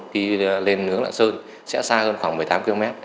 khi lên hướng lạng sơn sẽ xa hơn khoảng một mươi tám km